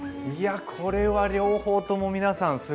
いやこれは両方とも皆さん